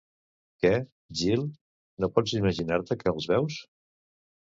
Què, Jill, no pots imaginar-te que els veus?